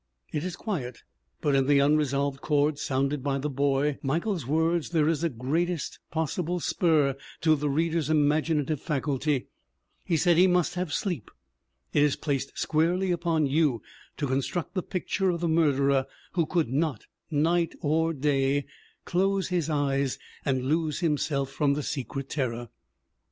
It is quiet but in the unresolved chord sounded by the boy Michael's words there is the greatest possible spur to the reader's imaginative faculty. * 'He said he must have sleep.' ' It is placed squarely upon you to con struct the picture of the murderer who could not, night or day, close his eyes and lose himself from the secret terror.